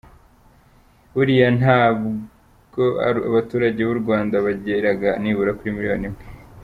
Buriya nta n’ubwo abaturage b’u Rwanda bageraga nibura kuri miliyoni imwe.